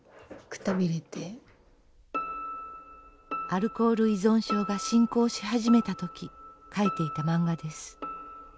アルコール依存症が進行し始めた時描いていた漫画です。